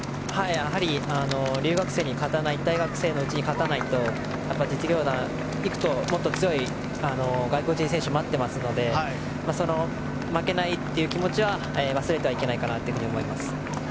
やはり留学生に大学生のうちに勝たないと実業団に行くともっと強い外国人選手が待っていますので負けないという気持ちは忘れてはいけないかなと思います。